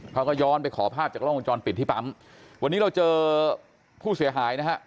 เขาก็ย้อนไปขอภาพจากล้องวงจรปิดที่ปั๊มวันนี้เราเจอผู้เสียหายนะฮะ